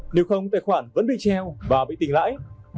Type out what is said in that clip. nếu không tài khoản vẫn bị treo và bị tình lãi